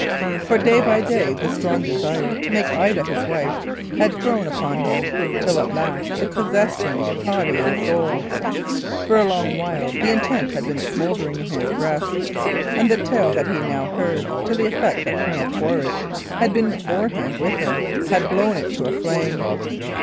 For day by day the strong desire to make Ida his wife had grown upon him, till at last it possessed him body and soul. For a long while the intent had been smouldering in his breast, and the tale that he now heard, to the effect that Colonel Quaritch had been beforehand with him, had blown it into a flame.